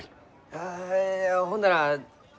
あほんなら全部。